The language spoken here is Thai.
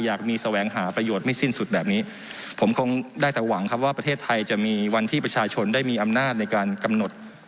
อยากมีแสวงหาประโยชน์ไม่สิ้นสุดแบบนี้ผมคงได้แต่หวังครับว่าประเทศไทยจะมีวันที่ประชาชนได้มีอำนาจในการกำหนด